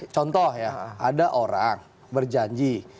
contoh ya ada orang berjanji